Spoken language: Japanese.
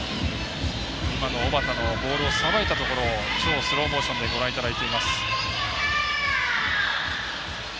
今の小幡のボールをさばいたところ超スローモーションでご覧いただきました。